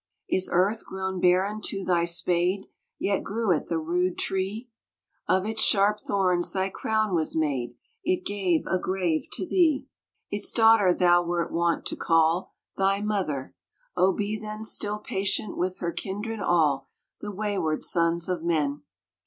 " Is earth grown barren to Thy spade? Yet grew it the rood tree; Of its sharp thorns Thy crown was made, It gave a grave to Thee. " Its daughter thou wert wont to call Thy mother. Oh, be then Still patient with her kindred, all The wayward sons of men